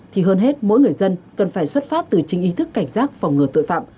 thì hơn hết mỗi người dân cần phải xuất phát từ chính ý thức cảnh giác phòng ngừa tội phạm